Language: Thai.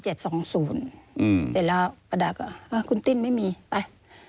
เสร็จแล้วประดาก็คุณติ้นไม่มีไป